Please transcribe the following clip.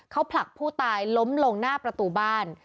เขาผลักผู้ตายล้มลงหน้าประตูบ้าน